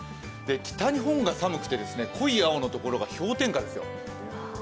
北日本が寒くて濃い青のところが氷点下ですよ。